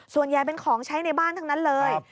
ส่วนใหญ่เป็นของใช้ในบ้านทั้งนั้นเลย